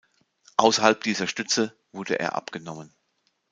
Außerhalb dieser Stütze wurde er abgenommen.